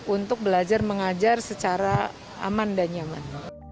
untuk belajar mengajar secara aman dan nyaman